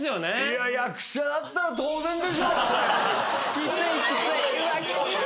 きついきつい。